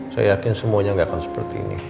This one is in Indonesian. saya yakin semuanya gak akan seperti ini